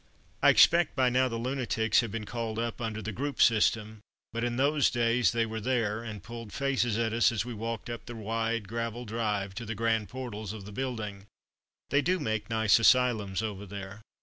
I expect by now the lunatics have been called up under the group system; but in those days they were there, and pulled faces at us as we walked up the wide gravel drive to the grand portals of the building. They do make nice asylums over there.